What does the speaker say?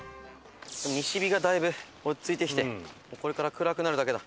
西日がだいぶ落ち着いてきてこれから暗くなるだけだ。